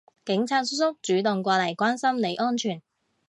警察叔叔主動過嚟關心你安全